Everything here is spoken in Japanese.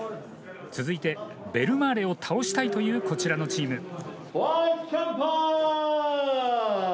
続いてベルマーレを倒したいというこちらのチーム。